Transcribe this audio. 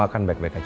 apa basics siap